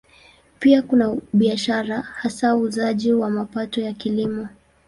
Pia kuna biashara, hasa uuzaji wa mapato ya Kilimo.